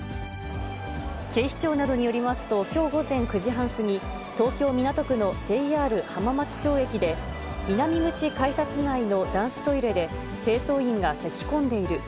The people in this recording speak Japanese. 警視庁などによりますと、きょう午前９時半過ぎ、東京・港区のＪＲ浜松町駅で、南口改札内の男子トイレで、清掃員がせきこんでいる。